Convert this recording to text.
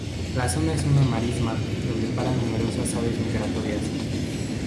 La zona es una marisma donde paran numerosas aves migratorias.